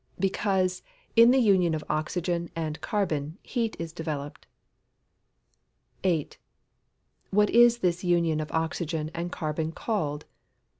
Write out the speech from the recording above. _ Because, in the union of oxygen and carbon, heat is developed. 8. _What is this union of oxygen and carbon called?